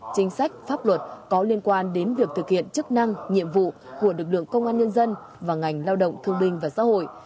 chính sách pháp luật có liên quan đến việc thực hiện chức năng nhiệm vụ của lực lượng công an nhân dân và ngành lao động thương binh và xã hội